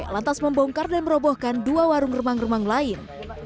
lantas membongkar dan merobohkan dua warung remang remang lain